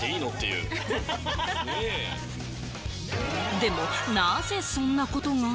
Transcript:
でも、なぜそんなことが？